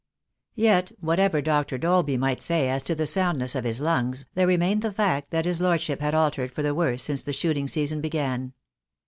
Yet, whatever Dr. Dolby might say as to the sound ness of his lungs, there remained the fact that his Lord ship had altered for the worse since the shooting season began.